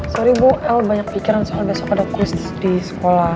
sorry bu el banyak pikiran soal besok pada kuis di sekolah